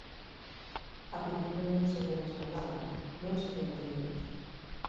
A pintura non se ve nas palabras, non se ve nos libros.